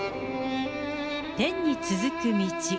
天に続く道。